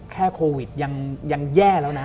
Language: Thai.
โควิดยังแย่แล้วนะ